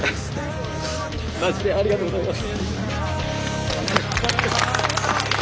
マジでありがとうございます。